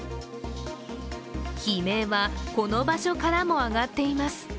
悲鳴はこの場所からも上がっています